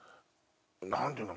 何ていうの？